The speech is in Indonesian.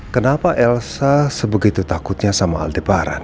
kenapa elsa begitu takut sama aldebaran